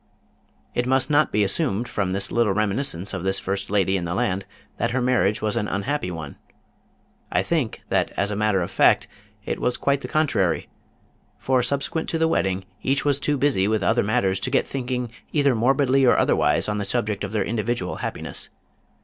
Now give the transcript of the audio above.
It must not be assumed from this little reminiscence of this first lady in the land that her marriage was an unhappy one. I think, that as a matter of fact, it was quite the contrary, for subsequent to the wedding each was too busy with other matters to get thinking either morbidly or otherwise on the subject of their individual happiness.